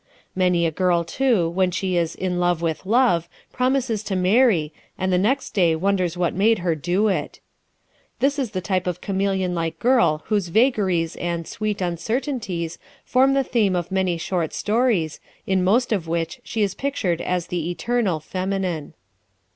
Many a girl, too, when she is "in love with love" promises to marry, and the next day wonders what made her do it. This is the type of chameleon like girl whose vagaries and "sweet uncertainties" form the theme of many short stories, in most of which she is pictured as "the eternal feminine."